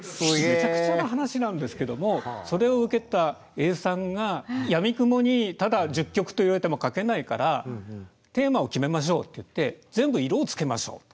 めちゃくちゃな話なんですけどもそれを受けた永さんがやみくもにただ１０曲と言われても書けないからテーマを決めましょうって言って全部色をつけましょうと。